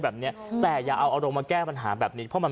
แบบเนี้ยแต่อย่าเอาอารมณ์มาแก้ปัญหาแบบนี้เพราะมัน